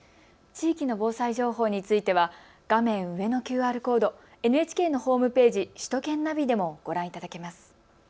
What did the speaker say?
地域の防災情報については画面上のＱＲコード、ＮＨＫのホームページ、首都圏ナビでもご覧いただけます。